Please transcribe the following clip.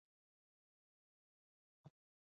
ونې هوا پاکوي او چاپیریال ښکلی کوي.